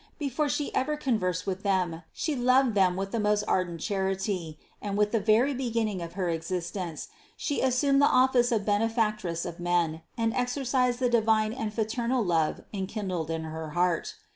Before She ever conversed with them She loved them with the most ardent charity and with the very beginning of her exist ence She assumed the office of Benefactress of men and exercised the divine and fraternal love enkindled in her heart.